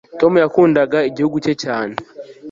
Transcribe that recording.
Tom yakundaga igihugu cye cyane